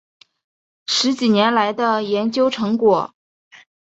十几年来的研究成果